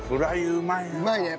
うまいね。